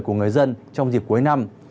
của người dân trong dịp cuối năm